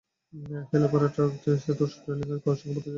হেলে পড়ায় ট্রাকটি সেতুর রেলিংয়ের সঙ্গে পথচারী আবুল কালামকে চাপা দেয়।